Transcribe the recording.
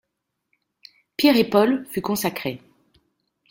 Pierre et Paul fut consacrée.